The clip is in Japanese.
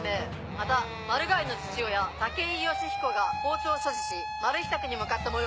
またマルガイの父親武井良彦が包丁を所持しマルヒ宅に向かったもよう。